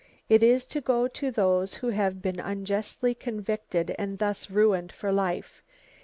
It is to go to those who have been unjustly convicted and thus ruined for life.